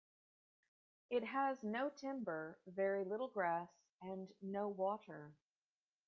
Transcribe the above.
It has no timber, very little grass, and no water.